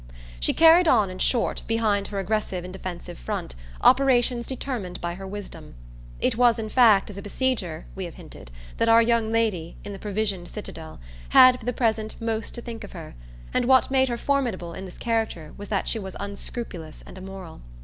She carried on in short, behind her aggressive and defensive front, operations determined by her wisdom. It was in fact as a besieger, we have hinted, that our young lady, in the provisioned citadel, had for the present most to think of her, and what made her formidable in this character was that she was unscrupulous and immoral.